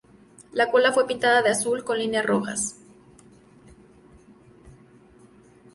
La cola fue pintada de azul con líneas rojas.